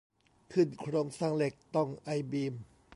ขึ้นโครงสร้างเหล็กต้องไอบีม